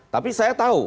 tapi saya tahu